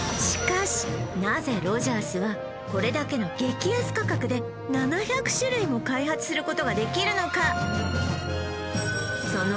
しかしなぜロヂャースはこれだけの激安価格で７００種類も開発することができるのか？